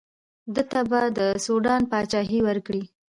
ده ته به د سوډان پاچهي ورکړي.